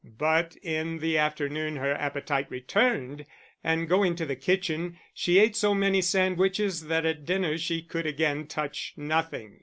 But in the afternoon her appetite returned, and, going to the kitchen, she ate so many sandwiches that at dinner she could again touch nothing.